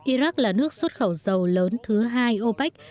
iraq là nước xuất khẩu dầu lớn thứ hai opec